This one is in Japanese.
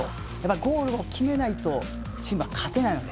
ゴールを決めないとチームは勝てないので。